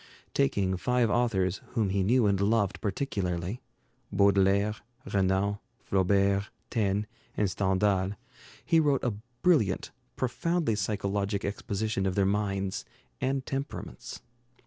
Taking five authors whom he knew and loved particularly, Baudelaire, Renan, Flaubert, Taine, and Stendhal, he wrote a brilliant, profoundly psychologic exposition of their minds and temperaments.